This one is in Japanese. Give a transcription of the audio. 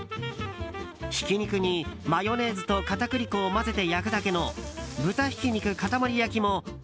ひき肉にマヨネーズと片栗粉を混ぜて焼くだけの豚ひき肉かたまり焼きも